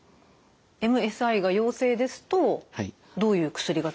ＭＳＩが陽性ですとどういう薬が使えるんですか？